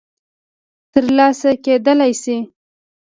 م ترلاسه کېدلای شي